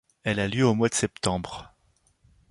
Elle a lieu au mois de septembre.